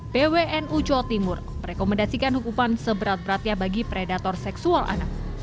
pwnu jawa timur merekomendasikan hukuman seberat beratnya bagi predator seksual anak